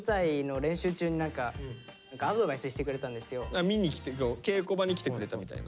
何か見に来て稽古場に来てくれたみたいな。